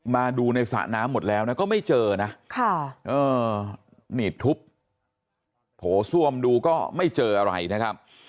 มาดูในสระน้ำหมดแล้วนะก็ไม่เจอนะหนีดทุบโผล่ซ่วมดูก็ไม่เจออะไรนะครับ